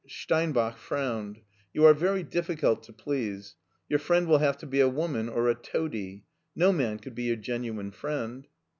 '' Steinbach frowned. "You are very difficult to please. Your friend will have to be a woman or a toady. No man could be your genuine friend.